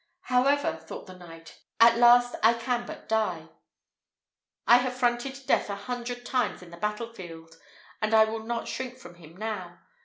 "However," thought the knight, "at last I can but die: I have fronted death a hundred times in the battle field, and I will not shrink from him now."